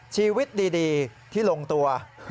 ชีวิตดีที่ลงตัว